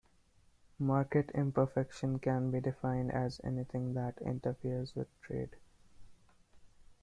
Market imperfection can be defined as anything that interferes with trade.